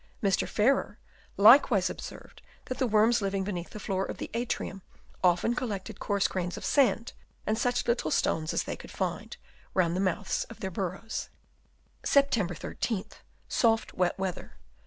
Mr. Farrer likewise observed that the worms living beneath the floor of the atrium often collected coarse grains of sand, and such little stones as they could find, round the mouths of their burrows. Sept. 13th ; soft wet weather.